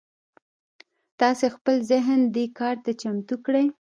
تاسې خپل ذهن دې کار ته چمتو کړئ.